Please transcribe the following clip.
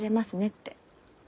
って。